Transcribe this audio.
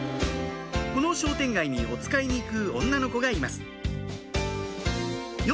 この商店街におつかいに行く女の子がいます